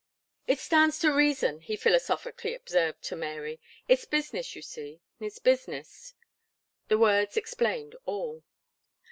"It stands to reason," he philosophically observed to Mary, "it's business, you see, it's business." The words explained all.